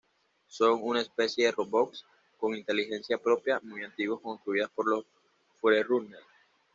Son una especie de robots con inteligencia propia muy antiguos construidas por los Forerunner.